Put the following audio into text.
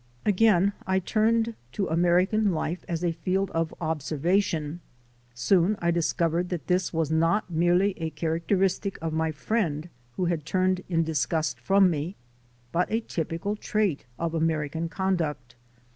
Again I turned to American life as a field of observation. Soon I discovered that this was not merely a characteristic of my friend who had turned in disgust from me, but a typical trait of American conduct.